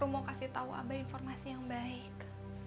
rom mau kasih tau abah informasi yang baik